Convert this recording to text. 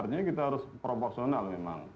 artinya kita harus proporsional memang